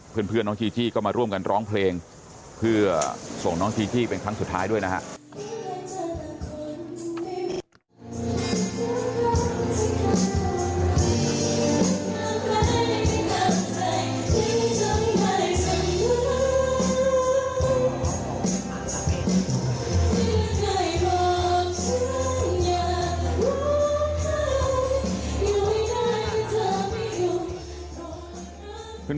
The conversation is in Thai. เพื่อนน้องจีจี้ก็มาร่วมกันร้องเพลงเพื่อส่งน้องจีจี้เป็นครั้งสุดท้ายด้วยนะครับ